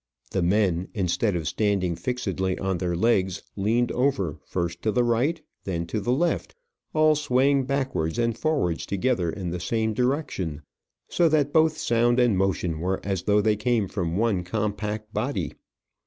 The men, instead of standing fixedly on their legs, leaned over, first to the right and then to the left, all swaying backwards and forwards together in the same direction, so that both sound and motion were as though they came from one compact body.